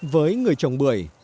với người trồng bưởi